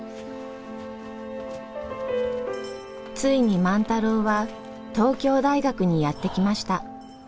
ついに万太郎は東京大学にやって来ました。